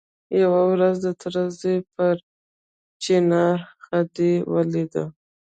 یوه ورځ د تره زوی پر چینه خدۍ ولیده.